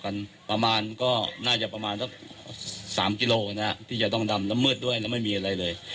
กันประมาณก็น่าจะประมาณสัก๓กิโลนะที่จะต้องดำน้ำมืดด้วยแล้วไม่มีอะไรเลย